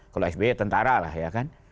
kalau sby tentara lah ya kan